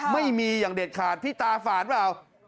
ไม่มีอย่างเด็ดขาดพี่ตาฝาดเปล่า